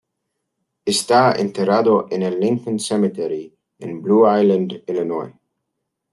Está enterrado en el Lincoln Cemetery en Blue Island, Illinois.